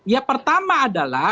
ya pertama adalah